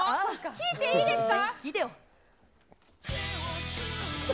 聞いていいですか？